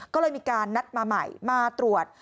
ก็เลยมีการนัดมาใหม่มาตรวจ